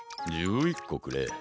１１こくれ。